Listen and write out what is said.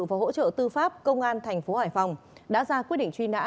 và hỗ trợ tư pháp công an thành phố hải phòng đã ra quyết định truy nã